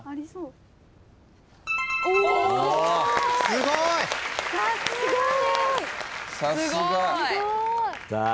すごい！